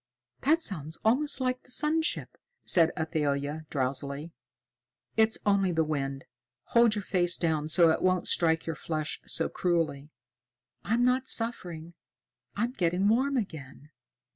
"That sounds almost like the sun ship," said Athalia drowsily. "It's only the wind. Hold your face down so it won't strike your flesh so cruelly." "I'm not suffering. I'm getting warm again."